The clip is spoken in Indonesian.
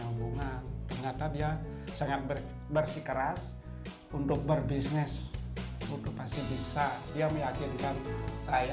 kandungan ternyata dia sangat bersikeras untuk berbisnis untuk pasti bisa yang meyakinkan saya